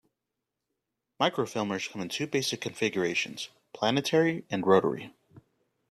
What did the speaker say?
Microfilmers come in two basic configurations: planetary and rotary.